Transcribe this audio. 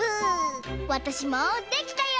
わたしもできたよ！